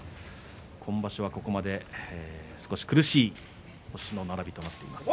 今場所はここまで少し苦しい星の並びとなっています。